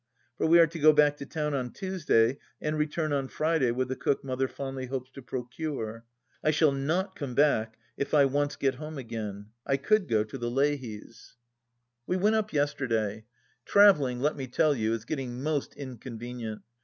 For we are to go back to town on Tuesday, and return on Friday with the cook Mother fondly hopes to procure. I shall not come back, if I once get home again. I could go to the Leahys. ... THE LAST DITCH 121 We went up yesterday. Travelling, let me tell you, is getting most inconvenient.